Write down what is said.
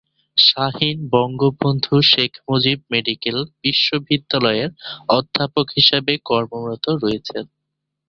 Shaheen Bangabandhu Sheikh Mujib medical বিশ্ববিদ্যালয়ের অধ্যাপক হিসেবে কর্মরত রয়েছেন।